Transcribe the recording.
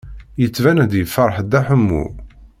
Yettban-d yefṛeḥ Dda Ḥemmu.